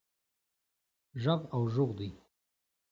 ږغ او ږوغ دی.